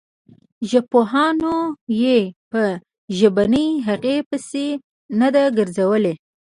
ژبپوهانو یې په ژبنۍ هغې پسې نه ده ګرځولې.